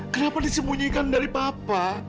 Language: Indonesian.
kenapa disembunyikan dari papa